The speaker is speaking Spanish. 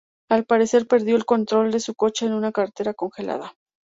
Al parecer, perdió el control de su coche en una carretera congelada.